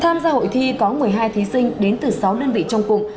tham gia hội thi có một mươi hai thí sinh đến từ sáu đơn vị trong cụm